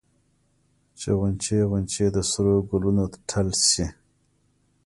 چې غونچې غونچې د سرو ګلونو ټل شي